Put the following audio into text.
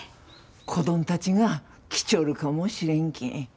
子どんたちが来ちょるかもしれんけん。